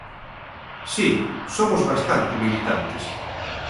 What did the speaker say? Si, somos bastante militantes.